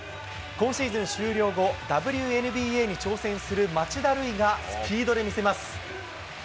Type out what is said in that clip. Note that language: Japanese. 今シーズン終了後、ＷＮＢＡに挑戦する町田瑠唯がスピードで見せます。